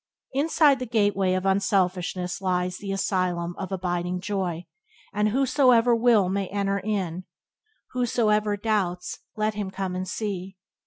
Inside the gateway of unselfishness lies the Elysium of Abiding Joy, and whosoever will may enter in, whosoever doubts let him come and see.